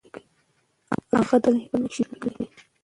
هغه د خپل هېواد په مینه کې شعرونه لیکي.